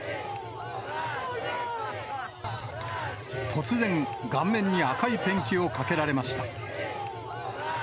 突然、顔面に赤いペンキをかけられました。